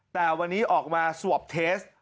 แต่วันนี้ออกมาสวบเทส